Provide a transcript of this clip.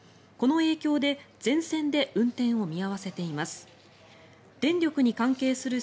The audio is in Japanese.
この影響で全線で運転を見合わせています。